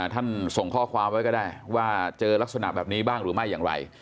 ส่งข้อความไว้ก็ได้ว่าเจอลักษณะแบบนี้บ้างหรือไม่อย่างไร